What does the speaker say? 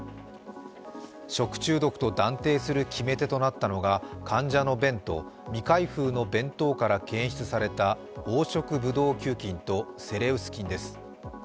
食中毒と断定する決め手となったのが患者の便と未開封の弁当から検出された黄色ブドウ球菌とセレウス菌です。